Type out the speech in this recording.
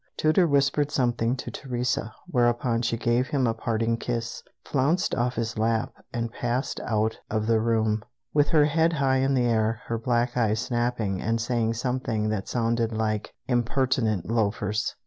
Tooter whispered something to Teresa, whereupon she gave him a parting kiss, flounced off his lap, and passed out of the room, with her head high in the air, her black eyes snapping, and saying something that sounded like: "Impertinent loafers!"